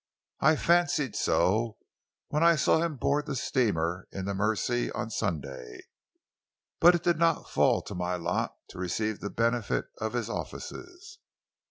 I fancied so when I saw him board the steamer in the Mersey on Sunday, but it did not fall to my lot to receive the benefit of his offices."